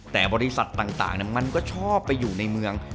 แต่บริษัทต่างมันก็ชอบไปอยู่ในเมือง